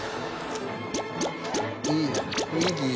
いい雰囲気いい。